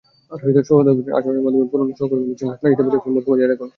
সৌহার্দ্যপূর্ণ আচরণের মাধ্যমে পুরোনো সহকর্মীদের সঙ্গে আপনার ইতিবাচক সম্পর্ক বজায় রাখুন।